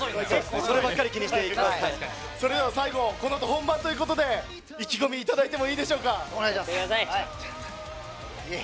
それでは最後この後、本番ということで意気込み、頂いてもいいでしょうか。